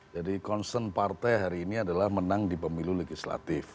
jadi concern partai hari ini adalah menang di pemilu legislatif